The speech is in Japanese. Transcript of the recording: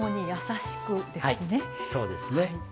そうですね。